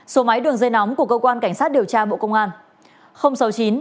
số máy đường dây nóng của cơ quan cảnh sát điều tra bộ công an